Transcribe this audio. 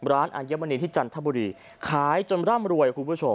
ร้านอัญมณีที่จันทบุรีขายจนร่ำรวย